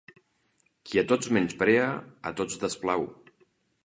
Qui a tots menysprea, a tots desplau.